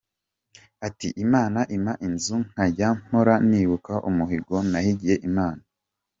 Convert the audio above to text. Ati "Imana impa inzu nkajya mpora nibuka umuhigo nahigiye Imana.